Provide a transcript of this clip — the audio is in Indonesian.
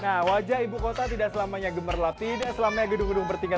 nah wajah ibu kota tidak selamanya gemerlap tidak selamanya gedung gedung bertingkat